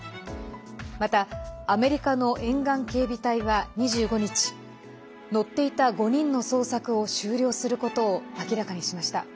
またアメリカの沿岸警備隊は２５日乗っていた５人の捜索を終了することを明らかにしました。